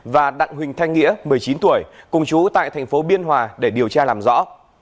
và đặng huỳnh thanh nghĩa một mươi chín tuổi cùng chú tại thành phố biên hòa để điều tra làm rõ